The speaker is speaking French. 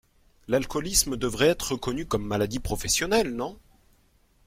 L’alcoolisme devait être reconnu comme maladie professionnelle, non ?